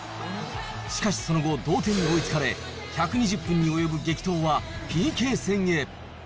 しかし、その後、同点に追いつかれ、１２０分に及ぶ激闘はＰＫ戦へ。